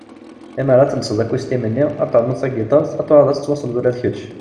Limmer ad telseḍ akustim-nni, ad ternuḍ tagitart, ad tuɣaleḍ ad tettwassneḍ ula d kecc!